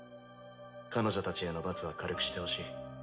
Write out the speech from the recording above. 彼女たちへの罰は軽くしてほしい。